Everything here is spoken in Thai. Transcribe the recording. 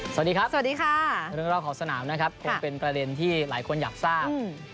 สวัสดีครับสวัสดีค่ะเรื่องรอบของสนามนะครับคงเป็นประเด็นที่หลายคนอยากทราบ